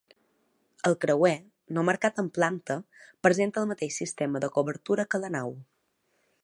El creuer, no marcat en planta, presenta el mateix sistema de coberta que la nau.